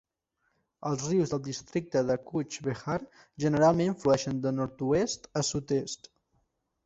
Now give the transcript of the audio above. Els rius del districte de Cooch Behar generalment flueixen de nord-oest a sud-est.